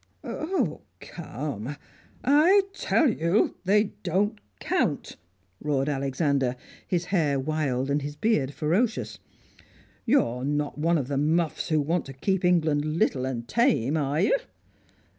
"Oh, come " "I tell you they don't count!" roared Alexander, his hair wild and his beard ferocious. "You're not one of the muffs who want to keep England little and tame, are you?"